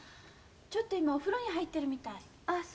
ちょっと今お風呂に入ってるみたい。